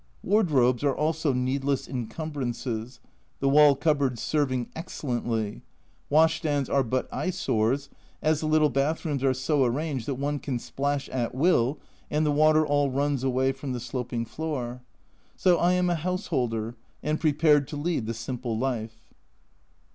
Wardrobes are also needless incumbrances, the wall cupboards serving excellently wash stands are but eyesores, as the little bath rooms are so arranged that one can splash at will and the water all runs away from the sloping floor. So I am a householder, and prepared to lead the simple life.